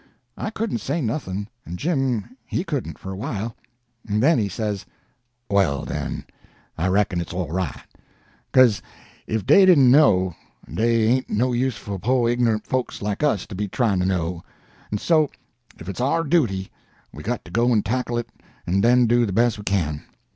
I couldn't say nothing, and Jim he couldn't for a while; then he says: "Well, den, I reckon it's all right; beca'se ef dey didn't know, dey ain't no use for po' ignorant folks like us to be trying to know; en so, ef it's our duty, we got to go en tackle it en do de bes' we can.